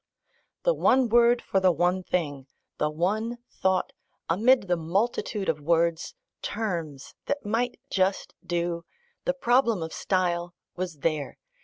The one word for the one thing, the one thought, amid the multitude of words, terms, that might just do: the problem of style was there!